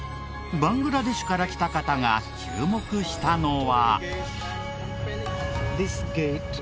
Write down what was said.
バングラデシュから来た方が注目したのは。